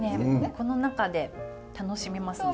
この中で楽しめますね。